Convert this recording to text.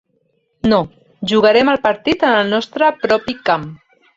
No, jugarem el partit en el nostre propi camp.